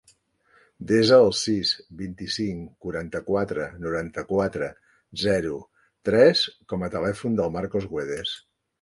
Desa el sis, vint-i-cinc, quaranta-quatre, noranta-quatre, zero, tres com a telèfon del Marcos Guedes.